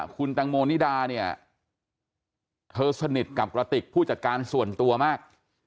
คุณตังโมนิดาเนี่ยเธอสนิทกับกระติกผู้จัดการส่วนตัวมาก